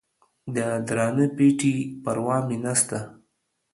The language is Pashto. د درانه پېټي پروا مې نسته